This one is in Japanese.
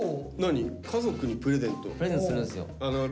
プレゼントするんですよ。